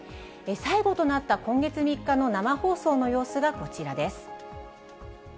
最後となった今月３日の生放送の様子がこちらです。